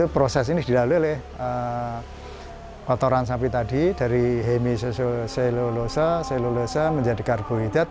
dan itu proses ini dilalui oleh kotoran sapi tadi dari hemisoselulosa menjadi karbohidrat